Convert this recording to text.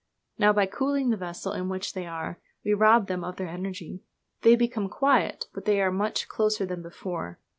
Now, by cooling the vessel in which they are, we rob them of their energy. They become quiet, but they are much closer than before.